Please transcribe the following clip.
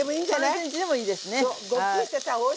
３ｃｍでもいいですね。